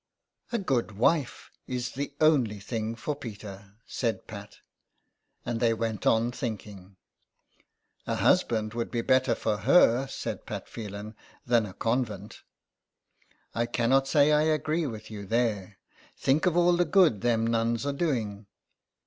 '' A good wife is the only thing for Peter," said Pat. And they went on thinking. " A husband would be better for her," said Pat Phelan, " than a convent." *' I cannot say I agree with you there. Think of all the good them nuns are doing."